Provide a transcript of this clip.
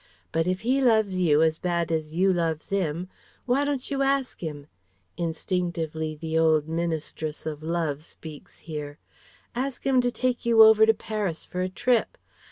But if he loves you as bad as you loves 'im, why don't you ask him" (instinctively the old ministress of love speaks here) "ask 'im to take you over to Paris for a trip?